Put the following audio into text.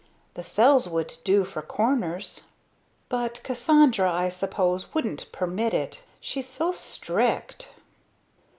The cells would do for corners. But Cassandra, I suppose, wouldn't permit it. She's so strict."